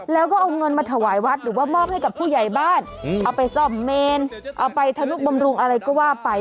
แล้วก็เอาเงินมาถวายวัดหรือว่ามอบให้กับผู้ใหญ่บ้านเอาไปซ่อมเมนเอาไปทะนุบำรุงอะไรก็ว่าไป